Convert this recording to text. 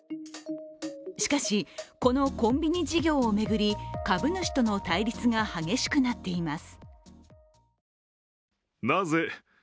しかし、このコンビニ事業を巡り株主との対立が激しくなっています。